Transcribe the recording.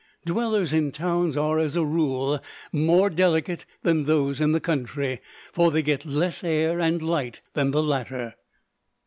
Dwellers in towns are, as a rule, more delicate than those in the country, for they get less air and light than the latter.